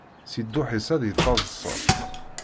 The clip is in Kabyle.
Si dduḥ-is ad d-yettaḍṣa.